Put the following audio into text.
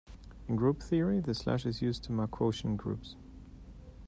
In group theory, the slash is used to mark quotient groups.